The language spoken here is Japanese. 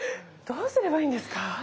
どうすればいいんですか？